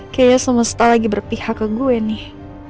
kayaknya semesta lagi berpihak ke gue nih